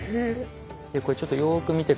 これちょっとよく見て下さい。